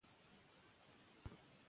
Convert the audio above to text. سمه ټکنالوژي زده کړه چټکوي.